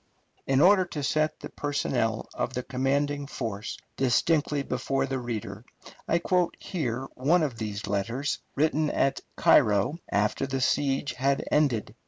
In order to set the personnel of the commanding force distinctly before the reader, I quote here one of these letters, written at Cairo after the siege had ended.